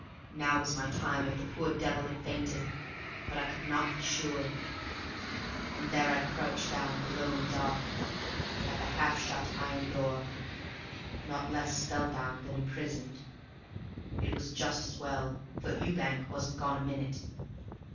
Now was my time if the poor devil had fainted. But I could not be sure, and there I crouched down below in the dark, at the half shut iron door, not less spellbound than imprisoned. It was just as well, for Ewbank wasn't gone a minute.